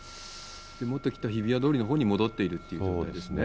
元来た日比谷通りのほうに戻っているっていうところですね。